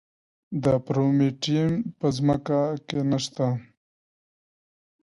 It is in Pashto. د پرومیټیم په ځمکه کې نه شته.